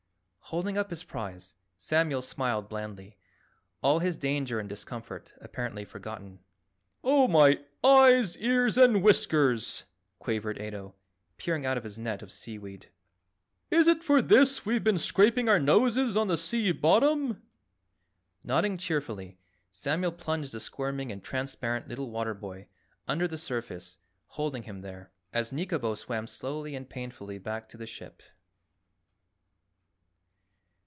Holding up his prize, Samuel smiled blandly, all his danger and discomfort apparently forgotten. "Oh, my eyes, ears and whiskers!" quavered Ato, peering out of his net of seaweed. "Is it for this we've been scraping our noses on the sea bottom?" Nodding cheerfully, Samuel plunged the squirming and transparent little water boy under the surface, holding him there, as Nikobo swam slowly and painfully back to the ship.